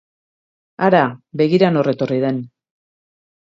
Hara! Begira nor etorri den